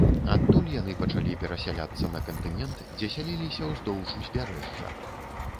Адтуль яны пачалі перасяляцца на кантынент, дзе сяліліся ўздоўж узбярэжжа.